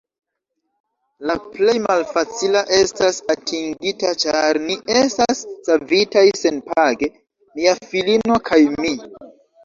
La plej malfacila estas atingita, ĉar ni estas savitaj senpage, mia filino kaj mi.